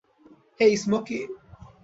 হেই, smoky.